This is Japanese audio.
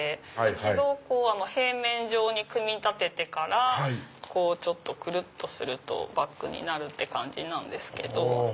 一度平面状に組み立ててからくるっとするとバッグになる感じなんですけど。